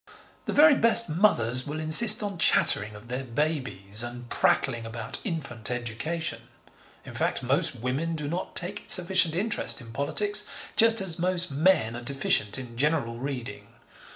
The very best mothers will insist on chattering of their babies and prattling about infant education. In fact, most women do not take sufficient interest in politics, just as most men are deficient in general reading.